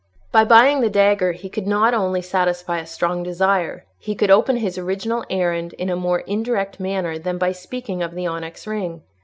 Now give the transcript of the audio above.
By buying the dagger he could not only satisfy a strong desire, he could open his original errand in a more indirect manner than by speaking of the onyx ring.